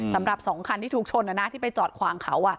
สำหรับ๒คันที่ถูกชนที่ไปจอดขวางเขา